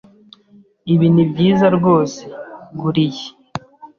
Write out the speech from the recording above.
Ibi nibyiza rwose. Gura iyi.